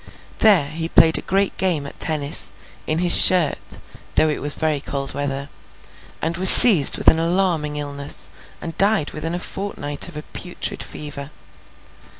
There he played a great game at tennis, in his shirt, though it was very cold weather, and was seized with an alarming illness, and died within a fortnight of a putrid fever.